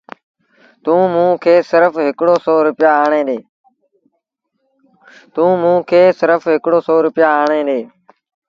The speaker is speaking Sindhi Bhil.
توݩ موݩ کي سرڦ هڪڙو سو روپيآ آڻي ڏي